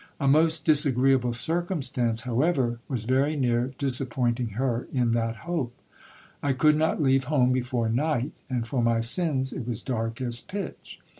A most disagreeable circumstance, however, was very near disappointing her in that hope. I could not leave home before night, and for my sins, it was dark as pitch.